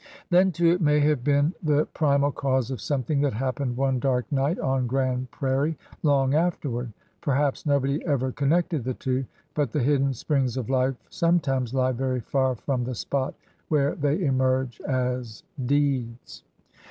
Then, too, it may have been the primal cause of something that happened one dark night on Grand Prairie long afterward. Perhaps nobody ever connected the two, but the hidden springs of life some times lie very far from the spot where they emerge as deeds.